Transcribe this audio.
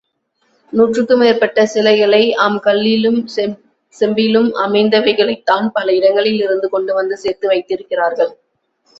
நூற்றுக்கு மேற்பட்ட சிலைகளை, ஆம் கல்லிலும், செம்பிலும் அமைந்தவைகளைத்தான் பல இடங்களில் இருந்து கொண்டுவந்து சேர்த்து வைத்திருக்கிறார்கள்.